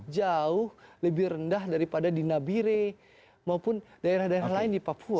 jauh lebih rendah daripada di nabire maupun daerah daerah lain di papua